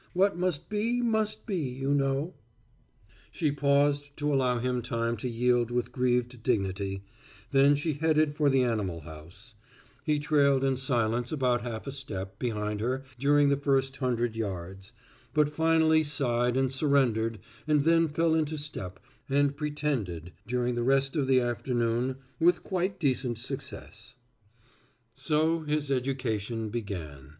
What must be, must be, you know." She paused to allow him time to yield with grieved dignity, then she headed for the animal house; he trailed in silence about half a step behind her during the first hundred yards, but finally sighed and surrendered and then fell into step and pretended during the rest of the afternoon with quite decent success. So his education began.